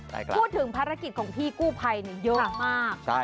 พูดถึงภารกิจของพี่กู้ภัยเยอะมาก